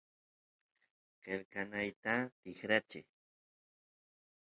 qelqanayta tikracheq